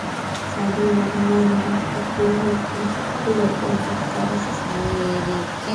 ساده او روانه وه، ليکوال د ښکلو الفاظو څخه کار اخیستى.